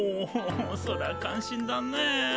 それは感心だね。